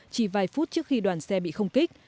chỉ vài phút trước khi đoàn xe bị không kích